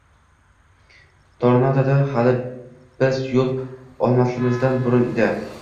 Torontoda hali biz yo’l olmasimizdan burun edi.